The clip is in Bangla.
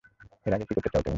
এর আগে কী করতে তুমি?